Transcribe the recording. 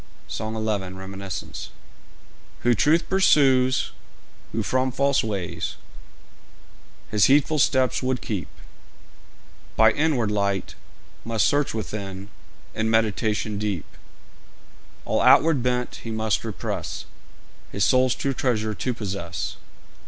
"' SONG XI. REMINISCENCE.[J] Who truth pursues, who from false ways His heedful steps would keep, By inward light must search within In meditation deep; All outward bent he must repress His soul's true treasure to possess.